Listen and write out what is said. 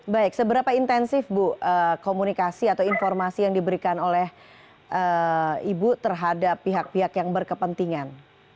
baik seberapa intensif bu komunikasi atau informasi yang diberikan oleh ibu terhadap pihak pihak yang berkepentingan